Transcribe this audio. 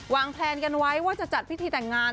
แพลนกันไว้ว่าจะจัดพิธีแต่งงาน